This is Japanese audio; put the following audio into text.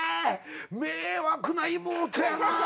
迷惑な妹やなぁ。